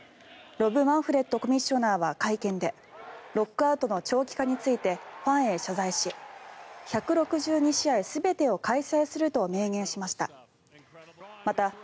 ロブ・マンフレッドコミッショナーは会見でロックアウトの長期化についてファンへ謝罪し１６２試合全てを開催すると明言しました。